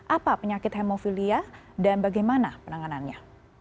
apa penyakit hemofilia dan bagaimana penanganannya